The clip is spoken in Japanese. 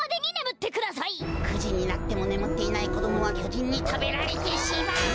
９じになってもねむっていないこどもはきょじんにたべられてしまう！